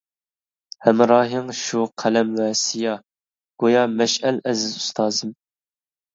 ھەمراھىڭ شۇ قەلەم ۋە سىيا، گويا مەشئەل ئەزىز ئۇستازىم.